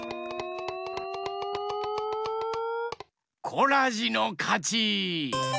コラジのかち！